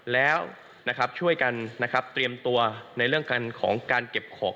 แล้วช่วยกันเตรียมตัวในเรื่องของการเก็บของ